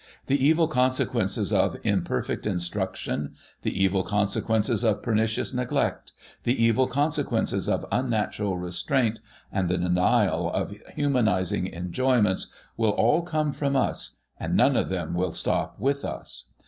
The evil consequences of imperfect instruction, the evil consequences of pernicious neglect, the evil consequences of unnatural restraint and the denial of humanising enjoyments, will all come from us, and none of them will stop with us.